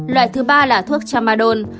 loại thứ ba là thuốc chamadol